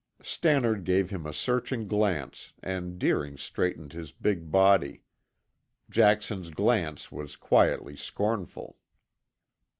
Stannard gave him a searching glance and Deering straightened his big body. Jackson's glance was quietly scornful.